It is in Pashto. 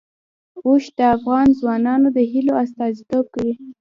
اوښ د افغان ځوانانو د هیلو استازیتوب کوي.